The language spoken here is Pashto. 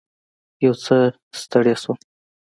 یو څه ستړې شوم.